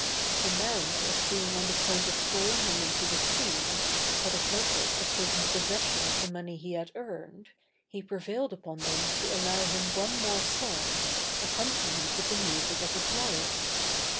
The mariners being on the point of throwing him into the sea, for the purpose of taking possession of the money he had earned, he prevailed upon them to allow him one more song, accompanied with the music of his lyre.